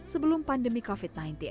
sebelum pandemi covid sembilan belas